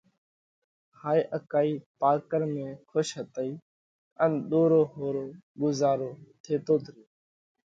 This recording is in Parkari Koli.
هائي اڪائِي پارڪر ۾ کُش هتئي ان ۮورو ۿورو ڳُزارو ٿيتوت ريو۔